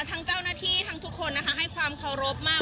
ทั้งเจ้าหน้าที่ทั้งทุกคนนะคะให้ความเคารพมาก